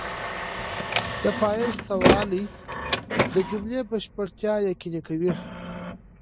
د فاعل سته والى د جملې بشپړتیا یقیني کوي.